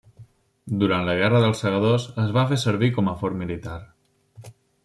Durant la Guerra dels Segadors es va fer servir com a fort militar.